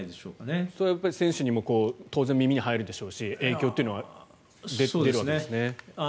それはやっぱり選手にも当然耳に入るでしょうし影響っていうのは出るわけですね。